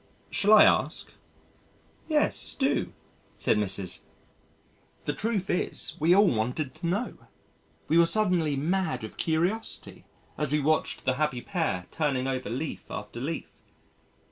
"Shall I ask?" "Yes, do," said Mrs. . The truth is we all wanted to know. We were suddenly mad with curiosity as we watched the happy pair turning over leaf after leaf.